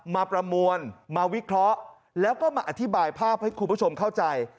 ประมวลมาวิเคราะห์แล้วก็มาอธิบายภาพให้คุณผู้ชมเข้าใจ